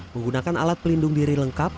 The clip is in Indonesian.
menggunakan alat pelindung diri lengkap